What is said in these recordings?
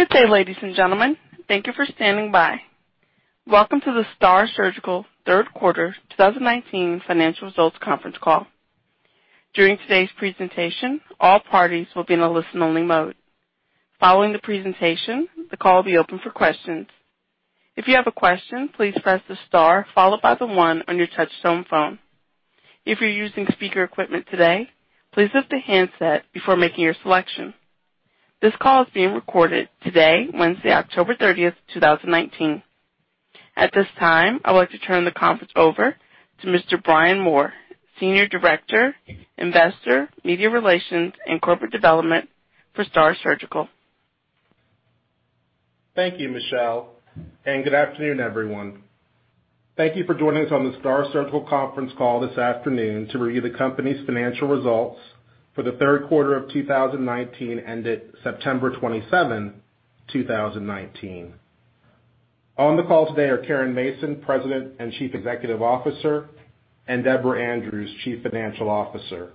Good day, ladies and gentlemen. Thank you for standing by. Welcome to the STAAR Surgical Third Quarter 2019 Financial Results Conference Call. During today's presentation, all parties will be in a listen-only mode. Following the presentation, the call will be open for questions. If you have a question, please press the star followed by the one on your touch-tone phone. If you're using speaker equipment today, please lift the handset before making your selection. This call is being recorded today, Wednesday, October 30th, 2019. At this time, I would like to turn the conference over to Mr. Brian Moore, Senior Director, Investor, Media Relations, and Corporate Development for STAAR Surgical. Thank you, Michelle. Good afternoon, everyone. Thank you for joining us on the STAAR Surgical conference call this afternoon to review the company's financial results for the third quarter of 2019, ended September 27, 2019. On the call today are Caren Mason, President and Chief Executive Officer, and Deborah Andrews, Chief Financial Officer.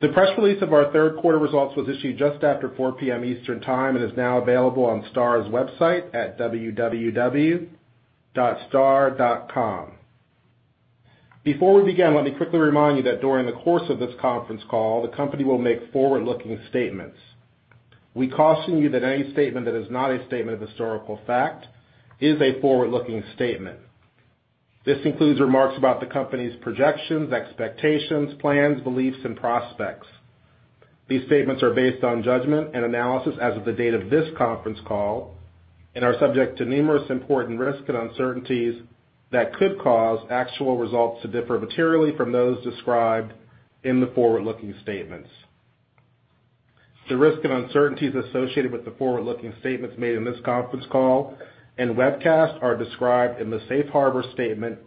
The press release of our third quarter results was issued just after 4:00 P.M. Eastern Time and is now available on STAAR's website at www.staar.com. Before we begin, let me quickly remind you that during the course of this conference call, the company will make forward-looking statements. We caution you that any statement that is not a statement of historical fact is a forward-looking statement. This includes remarks about the company's projections, expectations, plans, beliefs, and prospects. These statements are based on judgment and analysis as of the date of this conference call and are subject to numerous important risks and uncertainties that could cause actual results to differ materially from those described in the forward-looking statements. The risks and uncertainties associated with the forward-looking statements made in this conference call and webcast are described in the safe harbor statement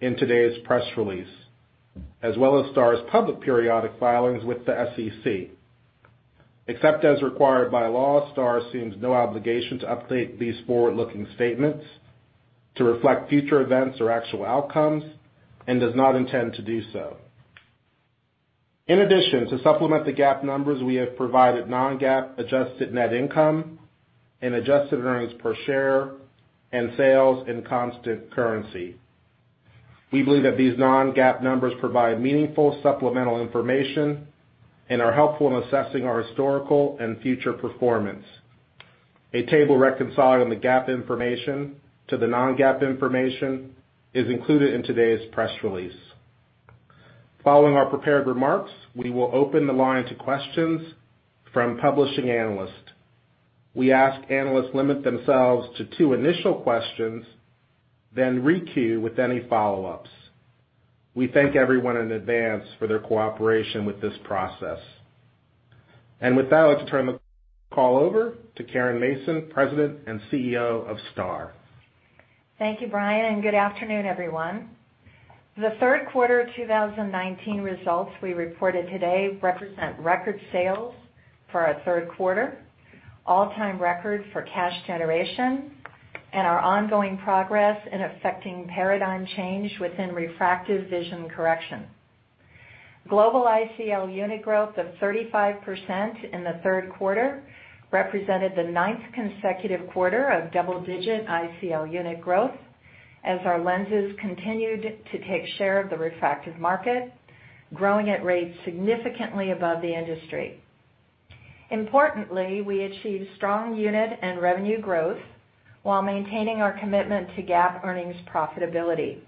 in today's press release, as well as STAAR's public periodic filings with the SEC. Except as required by law, STAAR assumes no obligation to update these forward-looking statements to reflect future events or actual outcomes and does not intend to do so. In addition, to supplement the GAAP numbers, we have provided non-GAAP adjusted net income and adjusted earnings per share and sales in constant currency. We believe that these non-GAAP numbers provide meaningful supplemental information and are helpful in assessing our historical and future performance. A table reconciling the GAAP information to the non-GAAP information is included in today's press release. Following our prepared remarks, we will open the line to questions from publishing analysts. We ask analysts limit themselves to two initial questions, then re-queue with any follow-ups. We thank everyone in advance for their cooperation with this process. With that, I'd like to turn the call over to Caren Mason, President and CEO of STAAR. Thank you, Brian. Good afternoon, everyone. The third quarter 2019 results we reported today represent record sales for our third quarter, all-time record for cash generation, and our ongoing progress in effecting paradigm change within refractive vision correction. Global ICL unit growth of 35% in the third quarter represented the ninth consecutive quarter of double-digit ICL unit growth as our lenses continued to take share of the refractive market, growing at rates significantly above the industry. Importantly, we achieved strong unit and revenue growth while maintaining our commitment to GAAP earnings profitability.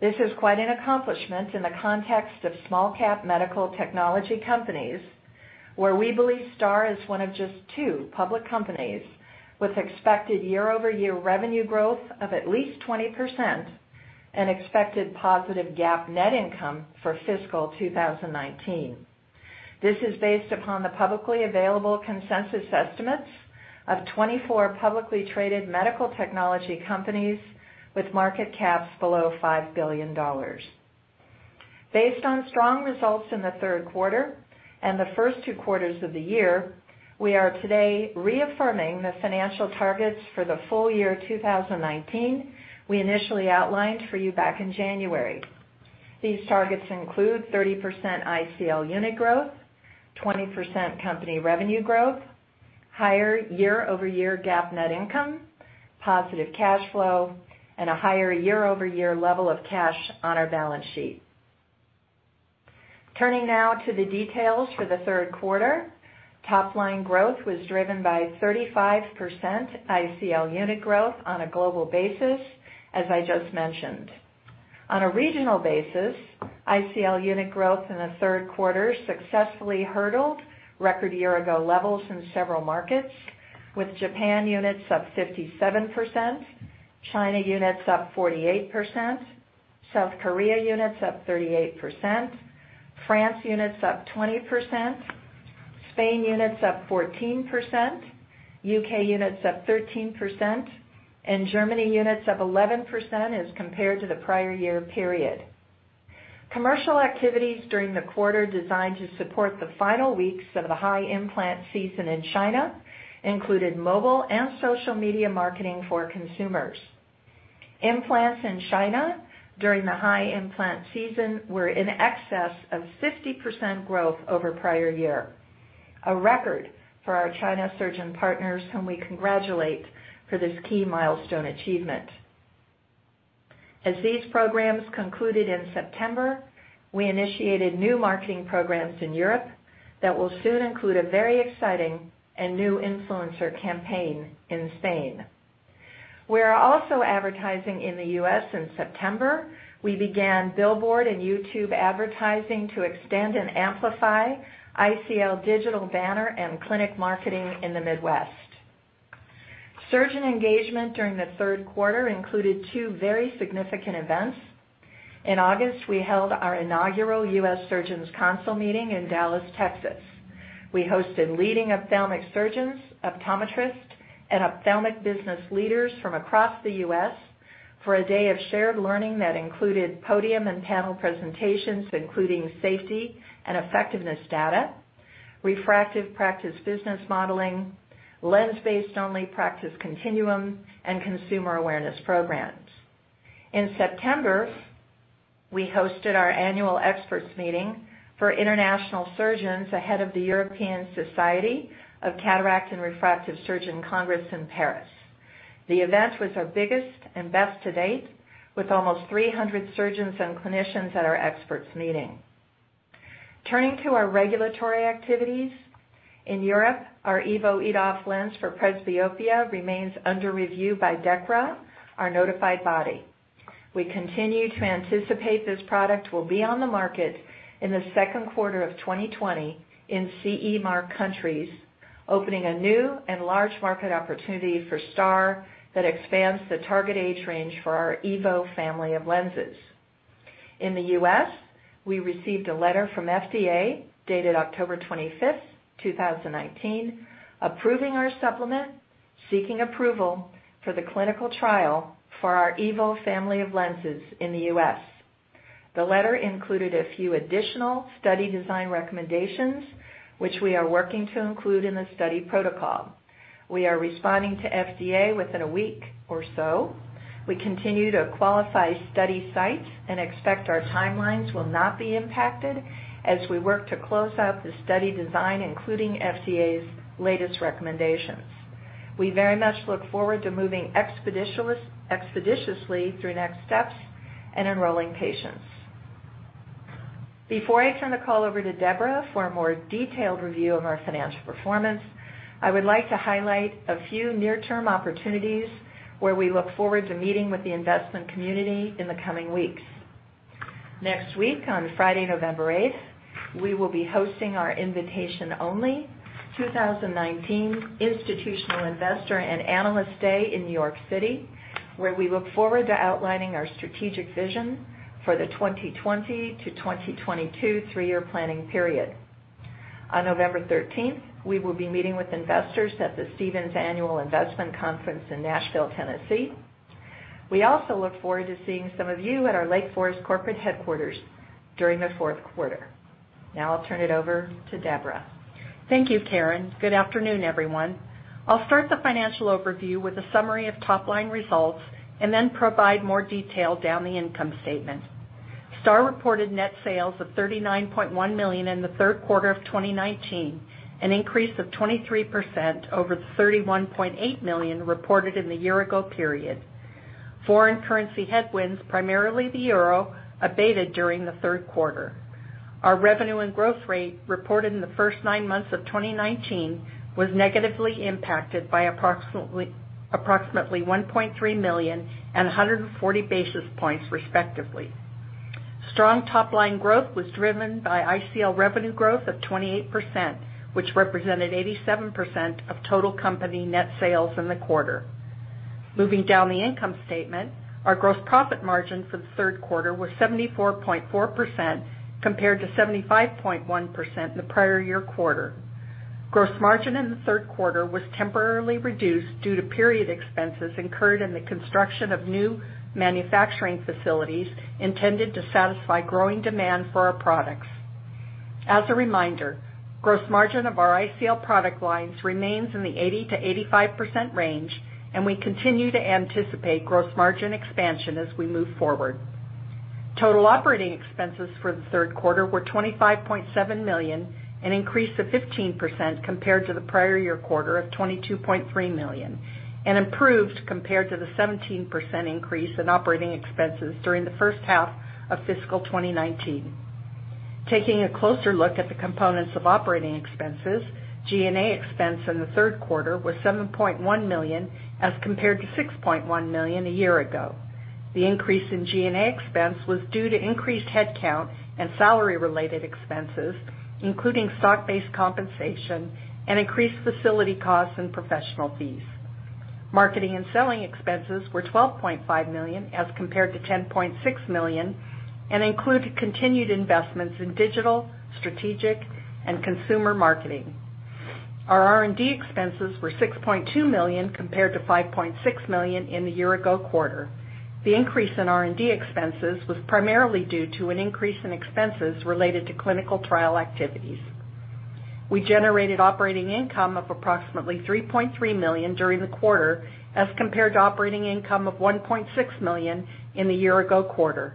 This is quite an accomplishment in the context of small cap medical technology companies, where we believe STAAR is one of just two public companies with expected year-over-year revenue growth of at least 20% and expected positive GAAP net income for fiscal 2019. This is based upon the publicly available consensus estimates of 24 publicly traded medical technology companies with market caps below $5 billion. Based on strong results in the third quarter and the first two quarters of the year, we are today reaffirming the financial targets for the full year 2019 we initially outlined for you back in January. These targets include 30% ICL unit growth, 20% company revenue growth, higher year-over-year GAAP net income, positive cash flow, and a higher year-over-year level of cash on our balance sheet. Turning now to the details for the third quarter. Topline growth was driven by 35% ICL unit growth on a global basis, as I just mentioned. On a regional basis, ICL unit growth in the third quarter successfully hurdled record year ago levels in several markets, with Japan units up 57%, China units up 48%, South Korea units up 38%, France units up 20%, Spain units up 14%, U.K. units up 13%, and Germany units up 11% as compared to the prior year period. Commercial activities during the quarter designed to support the final weeks of the high implant season in China included mobile and social media marketing for consumers. Implants in China during the high implant season were in excess of 50% growth over the prior year, a record for our China surgeon partners, whom we congratulate for this key milestone achievement. As these programs concluded in September, we initiated new marketing programs in Europe that will soon include a very exciting and new influencer campaign in Spain. We are also advertising in the U.S. in September. We began billboard and YouTube advertising to extend and amplify ICL digital banner and clinic marketing in the Midwest. Surgeon engagement during the third quarter included two very significant events. In August, we held our inaugural U.S. Surgeons Council meeting in Dallas, Texas. We hosted leading ophthalmic surgeons, optometrists, and ophthalmic business leaders from across the U.S. for a day of shared learning that included podium and panel presentations including safety and effectiveness data, refractive practice business modeling, lens-based only practice continuum, and consumer awareness programs. In September, we hosted our annual experts meeting for international surgeons ahead of the European Society of Cataract and Refractive Surgeons Congress in Paris. The event was our biggest and best to date, with almost 300 surgeons and clinicians at our experts meeting. Turning to our regulatory activities. In Europe, our EVO EDOF lens for presbyopia remains under review by DEKRA, our notified body. We continue to anticipate this product will be on the market in the second quarter of 2020 in CE mark countries, opening a new and large market opportunity for STAAR that expands the target age range for our EVO family of lenses. In the U.S., we received a letter from FDA dated October 25th, 2019, approving our supplement, seeking approval for the clinical trial for our EVO family of lenses in the U.S. The letter included a few additional study design recommendations, which we are working to include in the study protocol. We are responding to FDA within a week or so. We continue to qualify study sites and expect our timelines will not be impacted as we work to close out the study design, including FDA's latest recommendations. We very much look forward to moving expeditiously through the next steps and enrolling patients. Before I turn the call over to Deborah for a more detailed review of our financial performance, I would like to highlight a few near-term opportunities where we look forward to meeting with the investment community in the coming weeks. Next week, on Friday, November 8th, we will be hosting our invitation-only 2019 Institutional Investor and Analyst Day in New York City, where we look forward to outlining our strategic vision for the 2020 to 2022 three-year planning period. On November 13th, we will be meeting with investors at the Stephens Annual Investment Conference in Nashville, Tennessee. We also look forward to seeing some of you at our Lake Forest corporate headquarters during the fourth quarter. Now I'll turn it over to Deborah. Thank you, Caren. Good afternoon, everyone. I'll start the financial overview with a summary of top-line results and then provide more detail down the income statement. STAAR reported net sales of $39.1 million in the third quarter of 2019, an increase of 23% over the $31.8 million reported in the year-ago period. Foreign currency headwinds, primarily the EUR, abated during the third quarter. Our revenue and growth rate reported in the first nine months of 2019 was negatively impacted by approximately $1.3 million and 140 basis points, respectively. Strong top-line growth was driven by ICL revenue growth of 28%, which represented 87% of total company net sales in the quarter. Moving down the income statement, our gross profit margin for the third quarter was 74.4% compared to 75.1% in the prior year quarter. Gross margin in the third quarter was temporarily reduced due to period expenses incurred in the construction of new manufacturing facilities intended to satisfy growing demand for our products. As a reminder, gross margin of our ICL product lines remains in the 80%-85% range, and we continue to anticipate gross margin expansion as we move forward. Total operating expenses for the third quarter were $25.7 million, an increase of 15% compared to the prior year quarter of $22.3 million, and improved compared to the 17% increase in operating expenses during the first half of fiscal 2019. Taking a closer look at the components of operating expenses, G&A expense in the third quarter was $7.1 million as compared to $6.1 million a year ago. The increase in G&A expense was due to increased headcount and salary related expenses, including stock-based compensation and increased facility costs and professional fees. Marketing and selling expenses were $12.5 million as compared to $10.6 million and included continued investments in digital, strategic, and consumer marketing. Our R&D expenses were $6.2 million compared to $5.6 million in the year-ago quarter. The increase in R&D expenses was primarily due to an increase in expenses related to clinical trial activities. We generated operating income of approximately $3.3 million during the quarter as compared to operating income of $1.6 million in the year-ago quarter.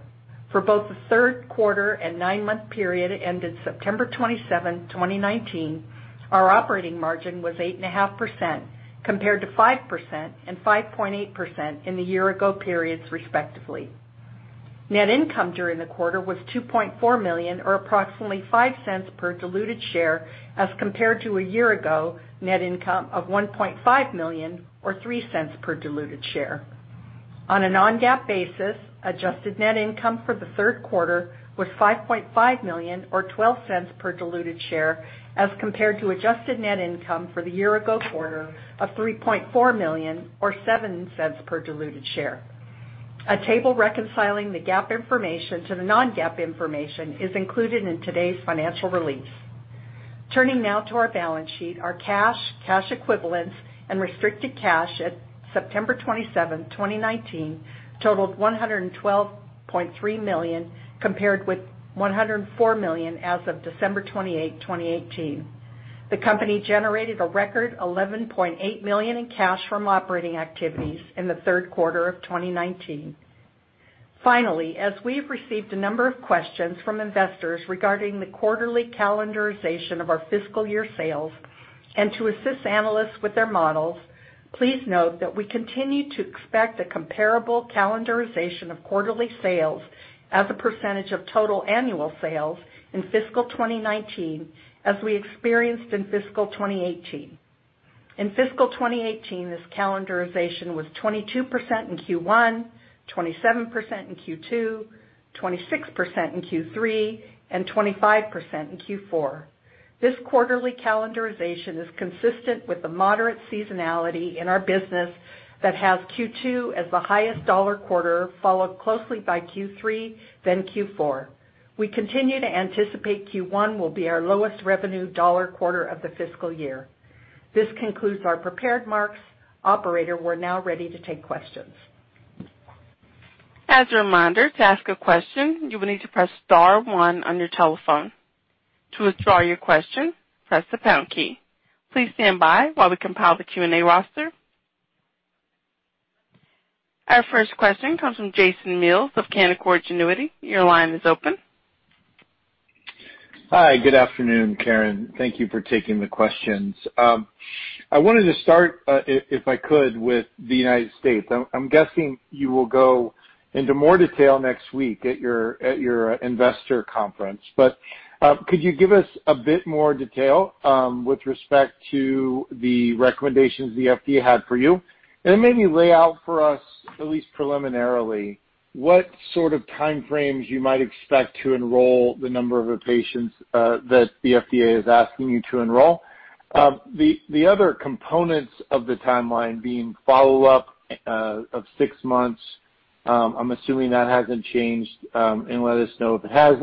For both the third quarter and 9-month period ended September 27, 2019, our operating margin was 8.5% compared to 5% and 5.8% in the year-ago periods respectively. Net income during the quarter was $2.4 million or approximately $0.05 per diluted share as compared to a year-ago net income of $1.5 million or $0.03 per diluted share. On a non-GAAP basis, adjusted net income for the third quarter was $5.5 million or $0.12 per diluted share as compared to adjusted net income for the year-ago quarter of $3.4 million or $0.07 per diluted share. A table reconciling the GAAP information to the non-GAAP information is included in today's financial release. Turning now to our balance sheet. Our cash equivalents, and restricted cash at September 27th, 2019 totaled $112.3 million compared with $104 million as of December 28th, 2018. The company generated a record $11.8 million in cash from operating activities in the third quarter of 2019. Finally, as we've received a number of questions from investors regarding the quarterly calendarization of our fiscal year sales and to assist analysts with their models, please note that we continue to expect a comparable calendarization of quarterly sales as a percentage of total annual sales in fiscal 2019 as we experienced in fiscal 2018. In fiscal 2018, this calendarization was 22% in Q1, 27% in Q2, 26% in Q3, and 25% in Q4. This quarterly calendarization is consistent with the moderate seasonality in our business that has Q2 as the highest dollar quarter, followed closely by Q3, then Q4. We continue to anticipate Q1 will be our lowest revenue dollar quarter of the fiscal year. This concludes our prepared remarks. Operator, we're now ready to take questions. As a reminder, to ask a question, you will need to press star one on your telephone. To withdraw your question, press the pound key. Please stand by while we compile the Q&A roster. Our first question comes from Jason Mills of Canaccord Genuity. Your line is open. Hi, good afternoon, Caren. Thank you for taking the questions. I wanted to start, if I could, with the U.S. I am guessing you will go into more detail next week at your investor conference. Could you give us a bit more detail with respect to the recommendations the FDA had for you? Maybe lay out for us, at least preliminarily, what sort of time frames you might expect to enroll the number of patients that the FDA is asking you to enroll. The other components of the timeline being follow-up of six months, I am assuming that hasn't changed, and let us know if it has.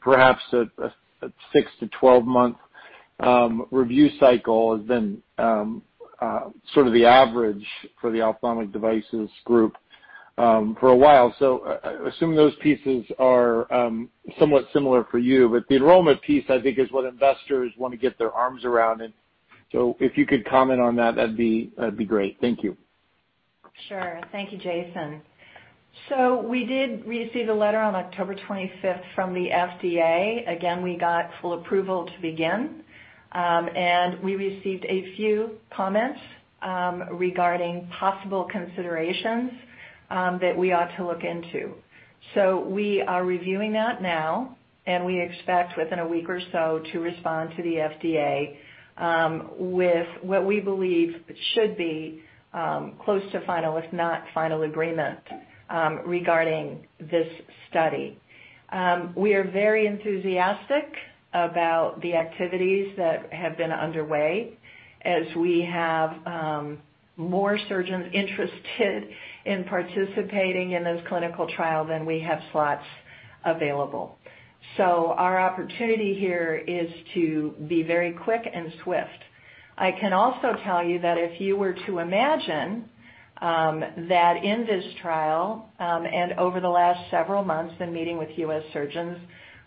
Perhaps a six to 12-month review cycle has been sort of the average for the ophthalmic devices group for a while. I assume those pieces are somewhat similar for you. The enrollment piece, I think, is what investors want to get their arms around. If you could comment on that'd be great. Thank you. Sure. Thank you, Jason. We did receive a letter on October 25th from the FDA. Again, we got full approval to begin, and we received a few comments regarding possible considerations that we ought to look into. We are reviewing that now, and we expect within a week or so to respond to the FDA with what we believe should be close to final, if not final agreement regarding this study. We are very enthusiastic about the activities that have been underway as we have more surgeons interested in participating in this clinical trial than we have slots available. Our opportunity here is to be very quick and swift. I can also tell you that if you were to imagine that in this trial and over the last several months in meeting with U.S. surgeons,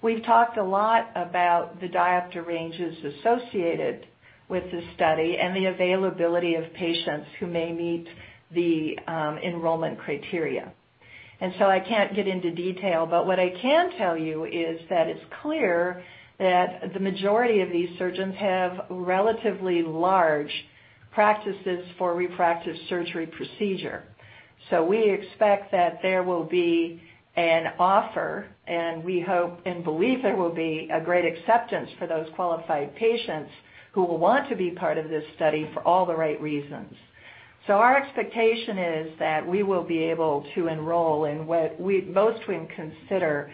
we've talked a lot about the diopter ranges associated with this study and the availability of patients who may meet the enrollment criteria. I can't get into detail, but what I can tell you is that it's clear that the majority of these surgeons have relatively large practices for refractive surgery procedure. We expect that there will be an offer, and we hope and believe there will be a great acceptance for those qualified patients who will want to be part of this study for all the right reasons. Our expectation is that we will be able to enroll in what most we consider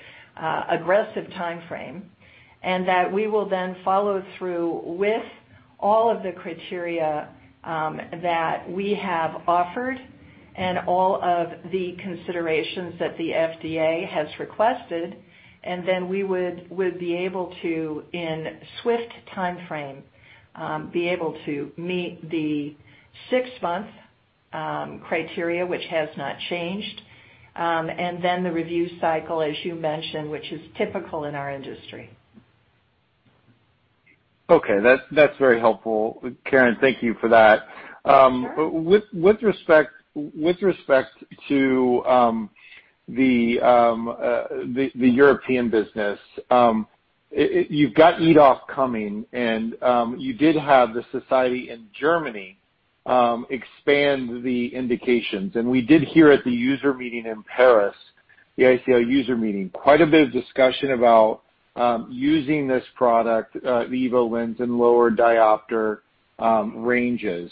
aggressive timeframe, and that we will then follow through with all of the criteria that we have offered and all of the considerations that the FDA has requested. We would be able to, in swift timeframe, be able to meet the six-month Criteria, which has not changed. The review cycle, as you mentioned, which is typical in our industry. Okay. That's very helpful, Caren. Thank you for that. Sure. With respect to the European business, you've got EDOF coming, and you did have the society in Germany expand the indications. We did hear at the user meeting in Paris, the ICL user meeting, quite a bit of discussion about using this product, the EVO lens, in lower diopter ranges.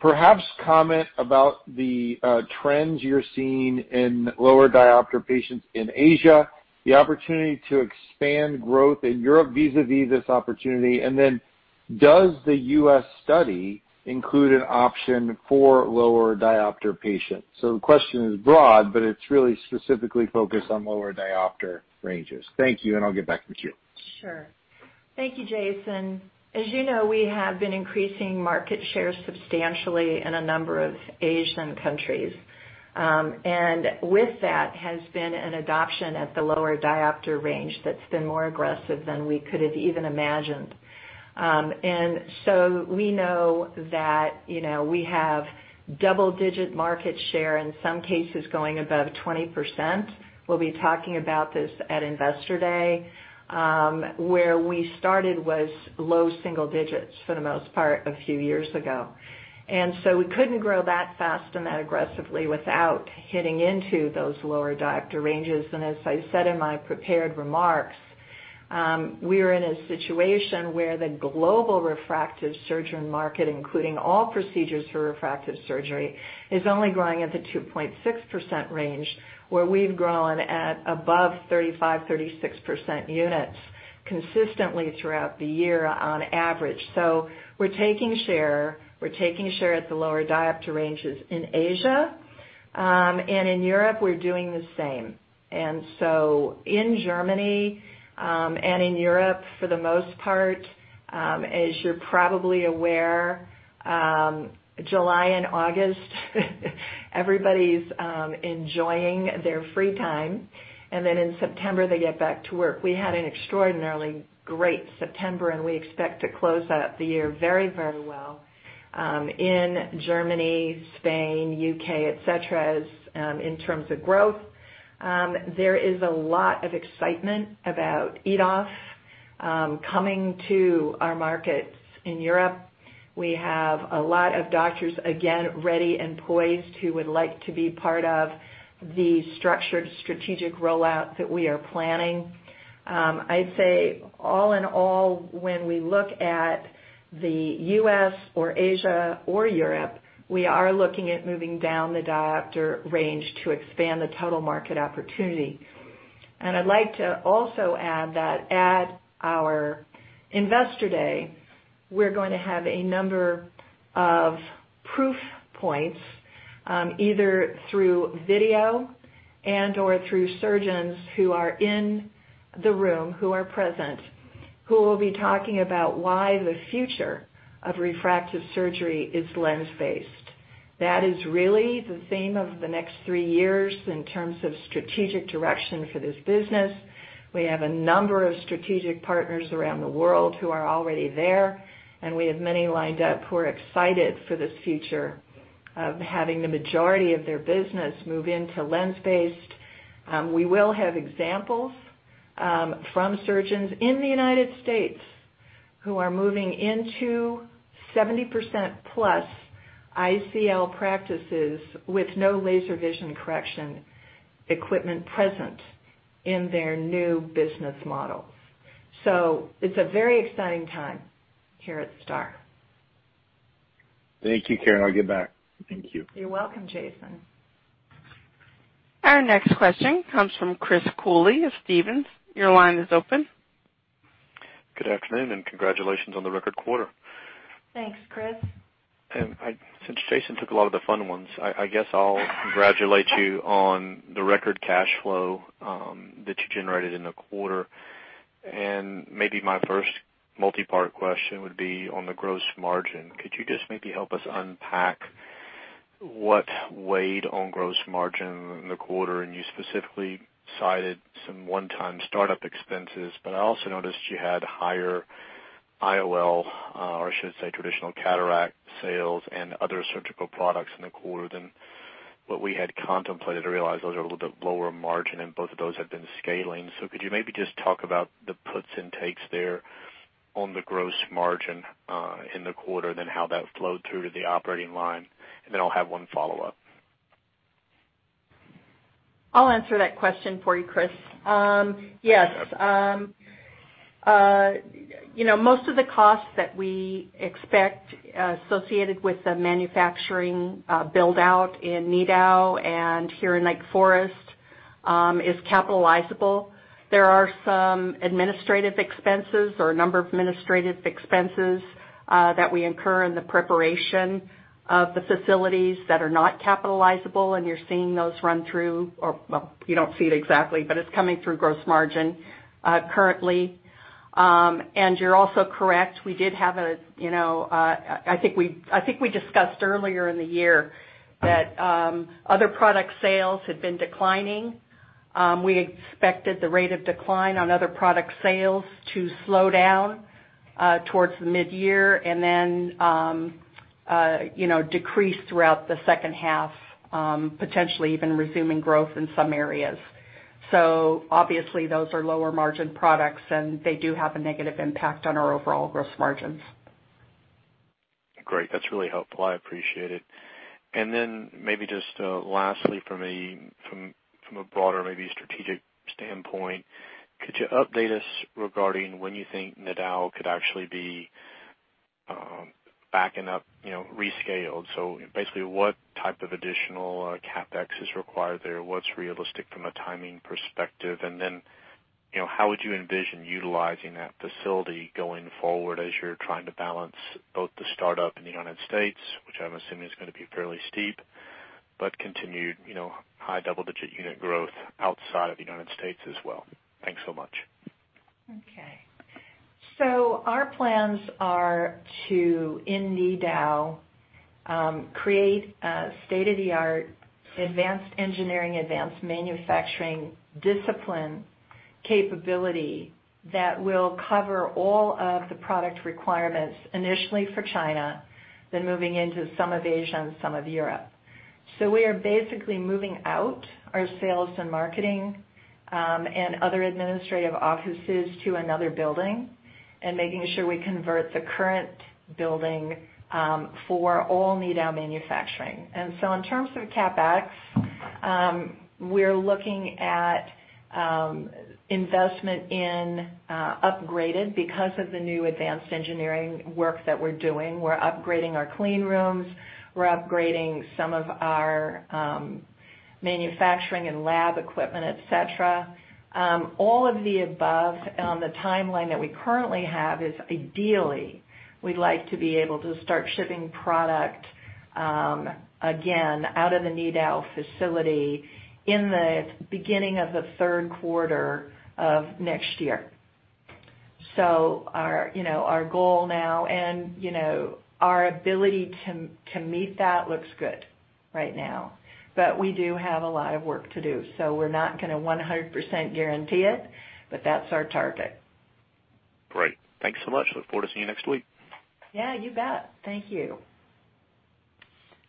Perhaps comment about the trends you're seeing in lower diopter patients in Asia, the opportunity to expand growth in Europe vis-a-vis this opportunity, and then does the U.S. study include an option for lower diopter patients? The question is broad, but it's really specifically focused on lower diopter ranges. Thank you, and I'll get back with you. Sure. Thank you, Jason. As you know, we have been increasing market share substantially in a number of Asian countries. With that has been an adoption at the lower diopter range that's been more aggressive than we could have even imagined. We know that we have double-digit market share, in some cases going above 20%. We'll be talking about this at Investor Day. Where we started was low single digits for the most part a few years ago. We couldn't grow that fast and that aggressively without hitting into those lower diopter ranges. As I said in my prepared remarks, we're in a situation where the global refractive surgeon market, including all procedures for refractive surgery, is only growing at the 2.6% range, where we've grown at above 35%, 36% units consistently throughout the year on average. We're taking share at the lower diopter ranges in Asia. In Europe, we're doing the same. In Germany, and in Europe for the most part, as you're probably aware, July and August everybody's enjoying their free time. In September, they get back to work. We had an extraordinarily great September, and we expect to close out the year very well in Germany, Spain, U.K., et cetera, in terms of growth. There is a lot of excitement about EDOF coming to our markets in Europe. We have a lot of doctors, again, ready and poised who would like to be part of the structured strategic rollout that we are planning. I'd say all in all, when we look at the U.S. or Asia or Europe, we are looking at moving down the diopter range to expand the total market opportunity. I'd like to also add that at our Investor Day, we're going to have a number of proof points, either through video and/or through surgeons who are in the room, who are present, who will be talking about why the future of refractive surgery is lens-based. That is really the theme of the next three years in terms of strategic direction for this business. We have a number of strategic partners around the world who are already there, and we have many lined up who are excited for this future of having the majority of their business move into lens-based. We will have examples from surgeons in the U.S. who are moving into 70%-plus ICL practices with no laser vision correction equipment present in their new business models. It's a very exciting time here at STAAR. Thank you, Caren. I'll get back. Thank you. You're welcome, Jason. Our next question comes from Chris Cooley of Stephens. Your line is open. Good afternoon, and congratulations on the record quarter. Thanks, Chris. Since Jason took a lot of the fun ones, I guess I'll congratulate you on the record cash flow that you generated in the quarter. Maybe my first multi-part question would be on the gross margin. Could you just maybe help us unpack what weighed on gross margin in the quarter? You specifically cited some one-time startup expenses, but I also noticed you had higher IOL, or I should say, traditional cataract sales and other surgical products in the quarter than what we had contemplated or realized. Those are a little bit lower margin, and both of those have been scaling. Could you maybe just talk about the puts and takes there on the gross margin in the quarter, then how that flowed through to the operating line? Then I'll have one follow-up. I'll answer that question for you, Chris. Yes. Okay. Most of the costs that we expect associated with the manufacturing build-out in Nidau and here in Lake Forest is capitalizable. There are some administrative expenses or a number of administrative expenses that we incur in the preparation of the facilities that are not capitalizable, and you're seeing those run through, but it's coming through gross margin currently. You're also correct, I think we discussed earlier in the year that other product sales had been declining. We expected the rate of decline on other product sales to slow down towards mid-year and then decrease throughout the second half, potentially even resuming growth in some areas. Obviously those are lower margin products and they do have a negative impact on our overall gross margins. Great. That's really helpful. I appreciate it. Maybe just lastly from a broader maybe strategic standpoint, could you update us regarding when you think Nidau could actually be backing up, rescaled? Basically what type of additional CapEx is required there? What's realistic from a timing perspective? How would you envision utilizing that facility going forward as you're trying to balance both the startup in the U.S., which I'm assuming is going to be fairly steep, but continued high double-digit unit growth outside of the U.S. as well? Thanks so much. Okay. Our plans are to, in Nidau, create a state-of-the-art advanced engineering, advanced manufacturing discipline capability that will cover all of the product requirements initially for China, then moving into some of Asia and some of Europe. We are basically moving out our sales and marketing, and other administrative offices to another building and making sure we convert the current building for all Nidau manufacturing. In terms of CapEx, we're looking at investment in upgraded, because of the new advanced engineering work that we're doing. We're upgrading our clean rooms, we're upgrading some of our manufacturing and lab equipment, et cetera. All of the above on the timeline that we currently have is ideally we'd like to be able to start shipping product, again, out of the Nidau facility in the beginning of the third quarter of next year. Our goal now and our ability to meet that looks good right now. We do have a lot of work to do, so we're not going to 100% guarantee it, but that's our target. Great. Thanks so much. Look forward to seeing you next week. Yeah, you bet. Thank you.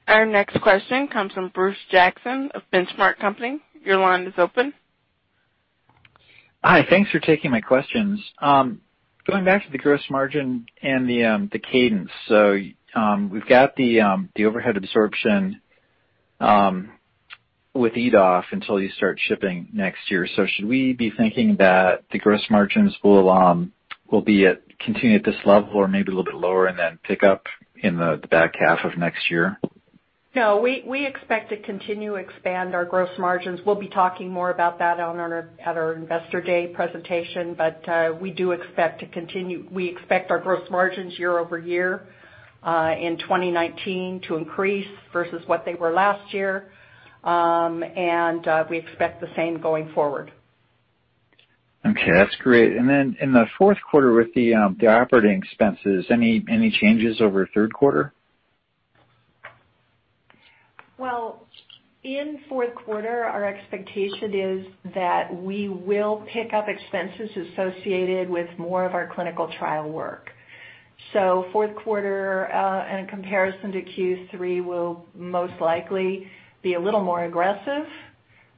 Our next question comes from Bruce Jackson of Benchmark Company. Your line is open. Hi. Thanks for taking my questions. Going back to the gross margin and the cadence. We've got the overhead absorption with EDOF until you start shipping next year. Should we be thinking that the gross margins will continue at this level or maybe a little bit lower and then pick up in the back half of next year? No, we expect to continue to expand our gross margins. We'll be talking more about that at our Investor Day presentation, but we expect our gross margins year-over-year, in 2019 to increase versus what they were last year. We expect the same going forward. Okay. That's great. In the fourth quarter with the operating expenses, any changes over third quarter? In fourth quarter, our expectation is that we will pick up expenses associated with more of our clinical trial work. Fourth quarter, and comparison to Q3 will most likely be a little more aggressive.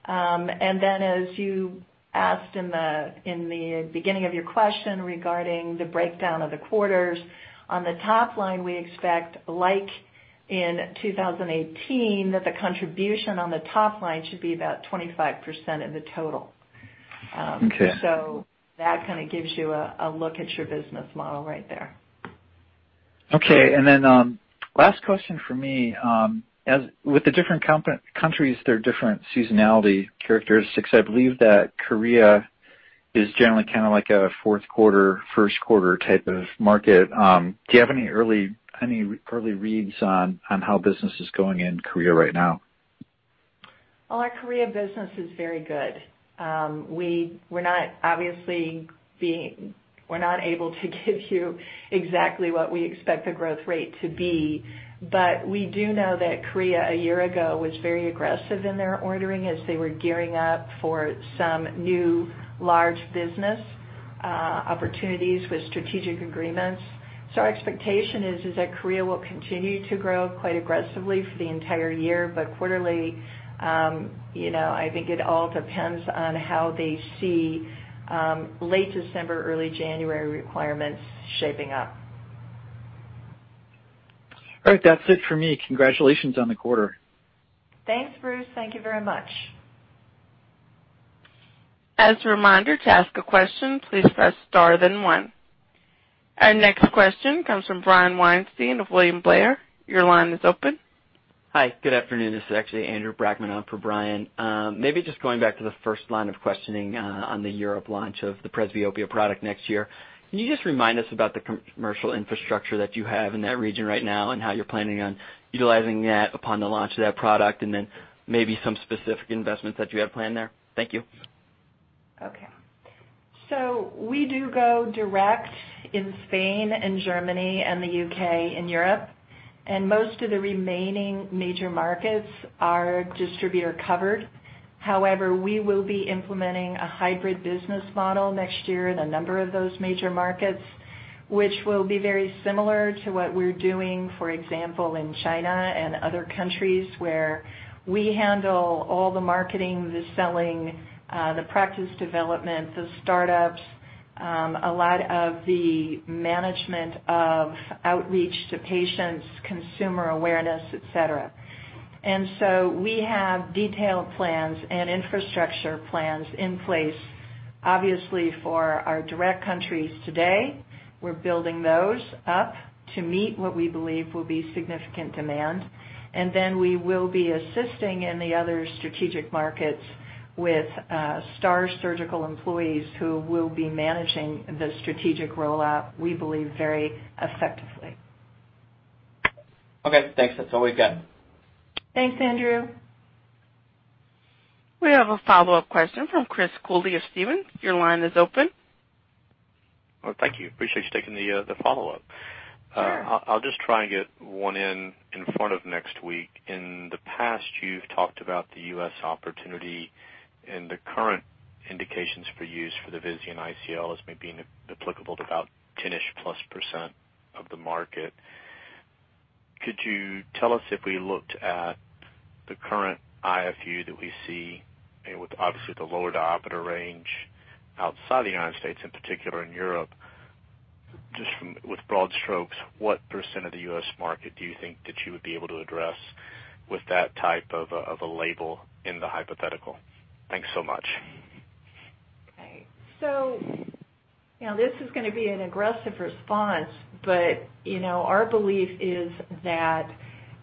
Then as you asked in the beginning of your question regarding the breakdown of the quarters, on the top line, we expect like in 2018, that the contribution on the top line should be about 25% of the total. Okay. That kind of gives you a look at your business model right there. Okay. Last question from me. With the different countries, there are different seasonality characteristics. I believe that Korea is generally kind of like a fourth quarter, first quarter type of market. Do you have any early reads on how business is going in Korea right now? Well, our Korea business is very good. We're not able to give you exactly what we expect the growth rate to be, but we do know that Korea a year ago was very aggressive in their ordering as they were gearing up for some new large business opportunities with strategic agreements. Our expectation is that Korea will continue to grow quite aggressively for the entire year, but quarterly, I think it all depends on how they see late December, early January requirements shaping up. All right. That's it for me. Congratulations on the quarter. Thanks, Bruce. Thank you very much. As a reminder, to ask a question, please press star then one. Our next question comes from Brian Weinstein of William Blair. Your line is open. Hi, good afternoon. This is actually Andrew Brackmann on for Brian. Maybe just going back to the first line of questioning on the Europe launch of the presbyopia product next year. Can you just remind us about the commercial infrastructure that you have in that region right now and how you're planning on utilizing that upon the launch of that product, and then maybe some specific investments that you have planned there? Thank you. We do go direct in Spain and Germany and the U.K. in Europe, and most of the remaining major markets are distributor-covered. However, we will be implementing a hybrid business model next year in a number of those major markets, which will be very similar to what we're doing, for example, in China and other countries where we handle all the marketing, the selling, the practice development, the startups, a lot of the management of outreach to patients, consumer awareness, et cetera. We have detailed plans and infrastructure plans in place. Obviously, for our direct countries today, we're building those up to meet what we believe will be significant demand. We will be assisting in the other strategic markets with STAAR Surgical employees who will be managing the strategic rollout, we believe, very effectively. Okay, thanks. That's all we've got. Thanks, Andrew. We have a follow-up question from Chris Cooley of Stephens. Your line is open. Well, thank you. Appreciate you taking the follow-up. Sure. I'll just try and get one in in front of next week. In the past, you've talked about the U.S. opportunity and the current indications for use for the Visian ICL as maybe applicable to about 10ish plus % of the market. Could you tell us if we looked at the current IFU that we see and with obviously the lower diopter range outside the U.S., in particular in Europe, just with broad strokes, what % of the U.S. market do you think that you would be able to address with that type of a label in the hypothetical? Thanks so much. This is going to be an aggressive response, but our belief is that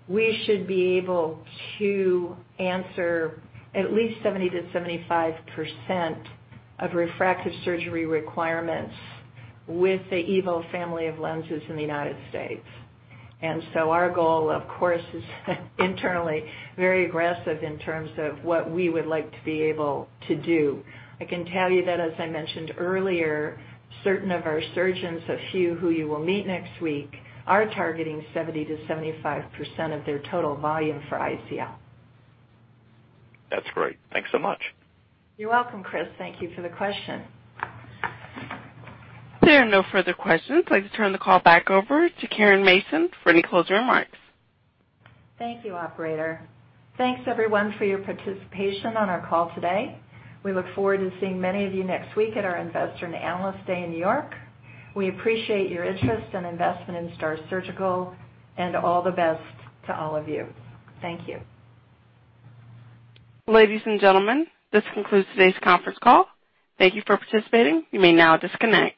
we should be able to answer at least 70% to 75% of refractive surgery requirements with the EVO family of lenses in the U.S. Our goal, of course, is internally very aggressive in terms of what we would like to be able to do. I can tell you that, as I mentioned earlier, certain of our surgeons, a few who you will meet next week, are targeting 70% to 75% of their total volume for ICL. That's great. Thanks so much. You're welcome, Chris. Thank you for the question. There are no further questions. I'd like to turn the call back over to Caren Mason for any closing remarks. Thank you, operator. Thanks everyone for your participation on our call today. We look forward to seeing many of you next week at our Investor and Analyst Day in New York. We appreciate your interest and investment in STAAR Surgical and all the best to all of you. Thank you. Ladies and gentlemen, this concludes today's conference call. Thank you for participating. You may now disconnect.